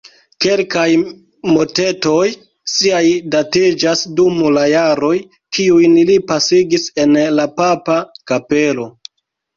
Kelkaj motetoj siaj datiĝas dum la jaroj, kiujn li pasigis en la papa kapelo.